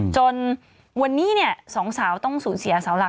จนวันนี้สองสาวต้องสูญเสียสาวหลัก